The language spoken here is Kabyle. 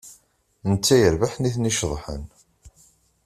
Netta yerbeḥ nitni ceḍḥen.